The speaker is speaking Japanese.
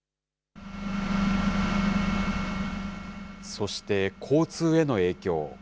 そして交通への影響。